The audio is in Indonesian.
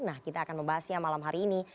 nah kita akan membahasnya malam hari ini